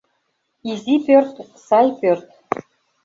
«ИЗИ ПӦРТ — САЙ ПӦРТ»